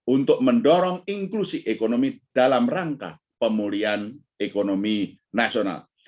untuk mendorong inklusi ekonomi dalam rangka pemulihan ekonomi nasional